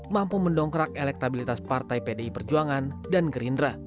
mampu mendongkrak elektabilitas partai pdi perjuangan dan gerindra